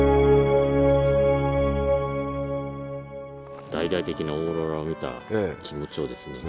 大々的なオーロラを見た気持ちをルー語で五七五で。